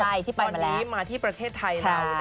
วันนี้มาที่ประเทศไทย